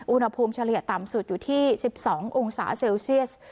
อุณหภูมิเฉลี่ยต่ำสุดอยู่ที่๑๒องศาเซลเซียส